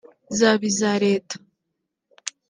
zaba iza Leta